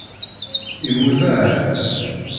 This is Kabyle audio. Immut ahat.